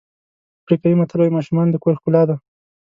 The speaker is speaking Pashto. افریقایي متل وایي ماشومان د کور ښکلا ده.